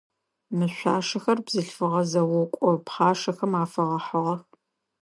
Мы шъуашэхэр бзылъфыгъэ зэокӏо пхъашэхэм афэгъэхьыгъэх.